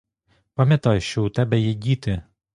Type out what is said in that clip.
Пам'ятай, що у тебе є діти!